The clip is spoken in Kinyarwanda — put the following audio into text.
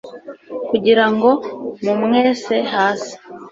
kugira ngo mumwese hasi